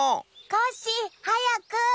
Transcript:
コッシーはやく！